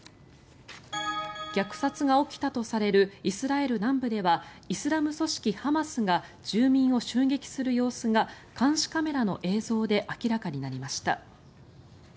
虐殺が起きたとされるイスラエル南部ではイスラム組織ハマスが住民を襲撃する様子が監視カメラの映像で明らかになりました。